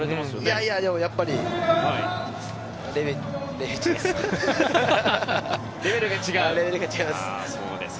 いやいやでもやっぱりレベルが違います。